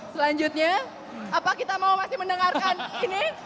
selanjutnya apa kita mau masih mendengarkan ini